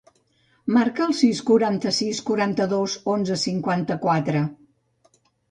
Marca el sis, quaranta-sis, quaranta-dos, onze, cinquanta-quatre.